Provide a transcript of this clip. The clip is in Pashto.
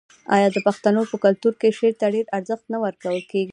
آیا د پښتنو په کلتور کې شعر ته ډیر ارزښت نه ورکول کیږي؟